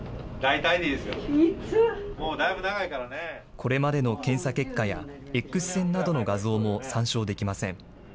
これまでの検査結果や、Ｘ線などの画像も参照できません。